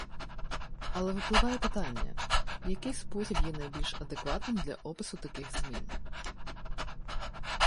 Але випливає питання, який спосіб є найбільш адекватним для опису таких змін?